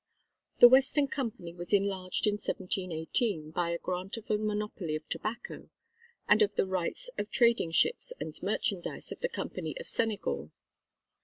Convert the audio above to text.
The Western Company was enlarged in 1718 by a grant of a monopoly of tobacco, and of the rights of trading ships and merchandise of the Company of Senegal.